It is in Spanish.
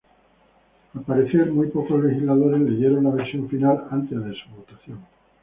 Al parecer, muy pocos legisladores leyeron la versión final antes de su votación.